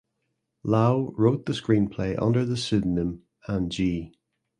Lau wrote the screenplay under the pseudonym "Ann Gee".